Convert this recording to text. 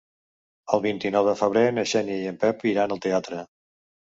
El vint-i-nou de febrer na Xènia i en Pep iran al teatre.